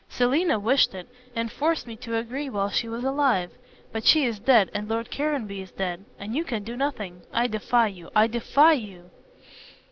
Selina wished it, and forced me to agree while she was alive. But she is dead and Lord Caranby is dead, and you can do nothing. I defy you I defy you!"